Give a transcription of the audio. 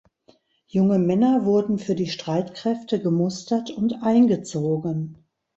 Junge Männer wurden für die Streitkräfte gemustert und eingezogen.